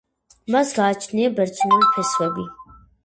მას გააჩნია ბერძნული ფესვები.